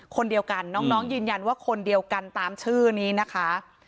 คนเดียวกันน้องยืนยันว่าคนเดียวกันตามชื่อนี้นะคะ